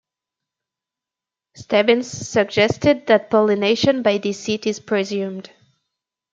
Stebbins suggested that pollination by deceit is presumed.